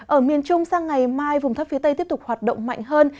ở miền trung sang ngày mai vùng thấp phía tây tiếp tục hoạt động mạnh hơn